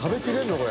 これ。